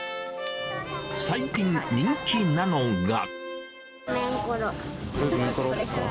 最近、人気なのが。